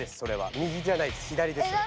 右じゃない左ですそれ。